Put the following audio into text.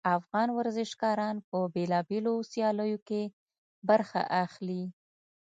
افغان ورزشګران په بیلابیلو سیالیو کې برخه اخلي